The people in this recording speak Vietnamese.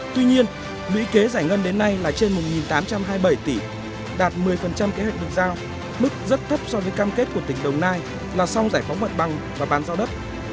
tuy nhiên lũy kế giải ngân đến nay là trên một tám trăm hai mươi bảy tỷ đạt một mươi kế hoạch được giao mức rất thấp so với cam kết của tỉnh đồng nai là xong giải phóng mặt bằng và bàn giao đất